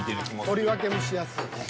取り分けもしやすいね。